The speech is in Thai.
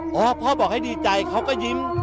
โอ้เพราะพ่อบอกให้ดีใจเขาก็ยิ้ม